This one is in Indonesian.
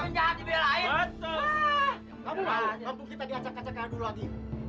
kampung kita diajak ajak aduh lo adi